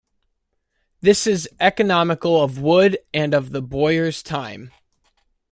This is economical of wood and of the bowyer's time.